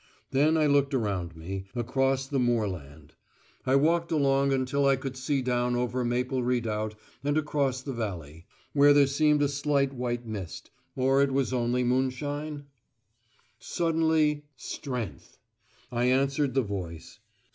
Then I looked around me, across the moorland. I walked along until I could see down over Maple Redoubt and across the valley, where there seemed a slight white mist; or was it only moonshine? Suddenly, "Strength." I answered the voice.